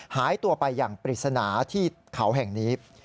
หายตัวไปอย่างปริศนาที่เขาแห่งนี้